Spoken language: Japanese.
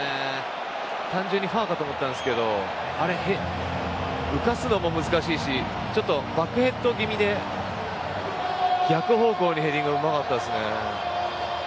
単純にファーかと思ったんですけどあれ、浮かすのも難しいしちょっとバックヘッド気味で逆方向でヘディングうまかったですね。